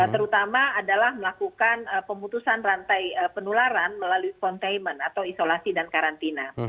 terutama adalah melakukan pemutusan rantai penularan melalui containment atau isolasi dan karantina